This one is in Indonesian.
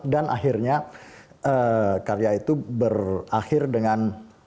dan akhirnya karya itu berakhir dengan